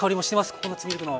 ココナツミルクの。